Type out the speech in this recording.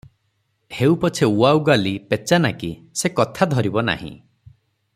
ହେଉ ପଛେ ଉଆଉଗାଲୀ, ପେଚାନାକୀ, ସେ କଥା ଧରିବେ ନାହିଁ ।